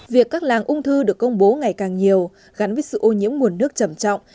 việc các làng ung thư được công bố ngày càng nhiều gắn với sự ô nhiễm nguồn nước trầm trọng